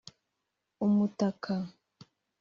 umutaka